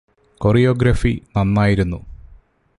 choreography നന്നായിരുന്നു